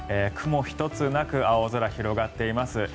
雲一つなく青空が広がっています。